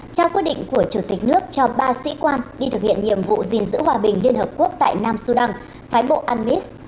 trao quyết định của chủ tịch nước cho ba sĩ quan đi thực hiện nhiệm vụ gìn giữ hòa bình liên hợp quốc tại nam sudan phái bộ anmis